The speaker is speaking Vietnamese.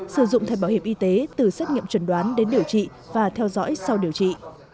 sử dụng thay bảo hiểm y tế từ xét nghiệm chuẩn đoán đến điều trị và theo dõi sau điều trị